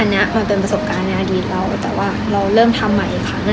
อันนี้มันเป็นประสบการณ์ในอดีตแล้วแต่ว่าเราเริ่มทำใหม่อีกครั้ง